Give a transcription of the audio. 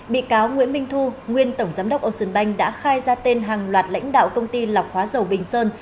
bị cáo nguyễn minh thu nguyên tổng giám đốc ocean bank đã khai ra tên hàng loạt lãnh đạo công ty lọc hóa dầu bình sơn